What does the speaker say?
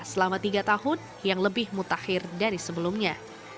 selama tiga tahun yang lebih mutakhir dari sebelumnya